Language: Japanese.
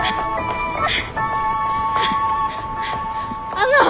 あの！